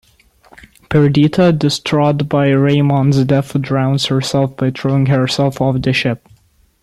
Perdita, distraught by Raymond's death, drowns herself by throwing herself off the ship.